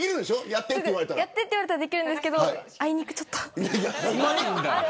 やってって言われたらできるんですけど、あいにく。